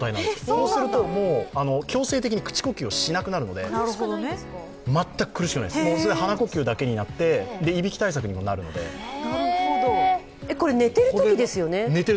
そうすると、強制的に口呼吸をしなくなるので全く苦しくないです、鼻呼吸だけになって、これ、寝てるときですよね？